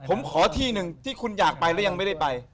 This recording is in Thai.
ผมขอที่หนึ่งที่คุณอยากไปแล้วยังไม่ได้ไป